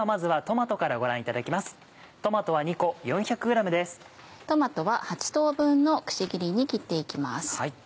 トマトは８等分のくし切りに切って行きます。